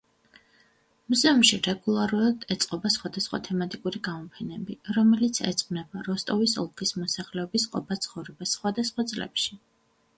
მუზეუმში რეგულარულად ეწყობა სხვადასხვა თემატიკური გამოფენები, რომელიც ეძღვნება როსტოვის ოლქის მოსახლეობის ყოფა-ცხოვრებას სხვადასხვა წლებში.